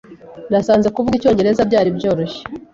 Nasanze kuvuga icyongereza byari byoroshye.